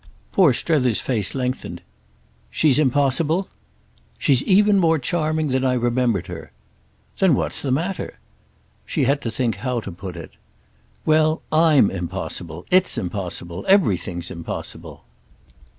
Poor Strether's face lengthened. "She's impossible—?" "She's even more charming than I remembered her." "Then what's the matter?" She had to think how to put it. "Well, I'm impossible. It's impossible. Everything's impossible."